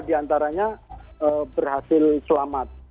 di antaranya berhasil selamat